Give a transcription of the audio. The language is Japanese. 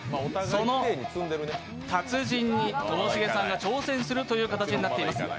その達人に、ともしげさんが挑戦する形になっています。